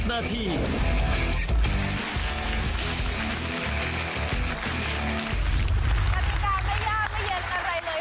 กติกาไม่ยากไม่เย็นอะไรเลย